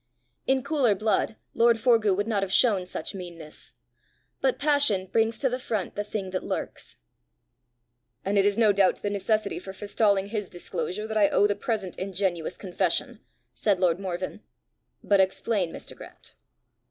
In cooler blood lord Forgue would not have shown such meanness; but passion brings to the front the thing that lurks. "And it is no doubt to the necessity for forestalling his disclosure that I owe the present ingenuous confession!" said lord Morven. " But explain, Mr. Grant."